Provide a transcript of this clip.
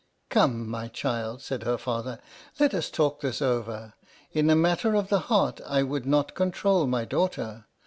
" Come, my child," said her father, " let us talk this over. In a matter of the heart I would not con trol my daughter.